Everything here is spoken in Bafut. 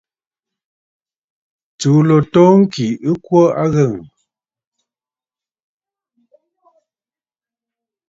Tsùu ló too ŋkì ɨ kwo a aghəŋə̀.